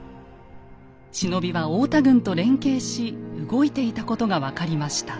忍びは太田軍と連携し動いていたことが分かりました。